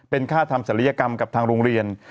เป็นค่าทำศัลยกรรมกับทางโรงเรียน